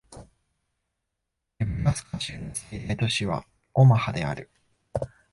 ネブラスカ州の最大都市はオマハである